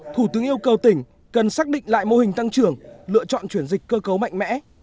thủ tướng yêu cầu tỉnh cần xác định lại mô hình tăng trưởng lựa chọn chuyển dịch cơ cấu mạnh mẽ